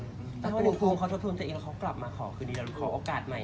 ถ้าวันหนึ่งภูมิเขาจะต้องเจอเองแล้วเขากลับมาขอคือได้หรือขอโอกาสใหม่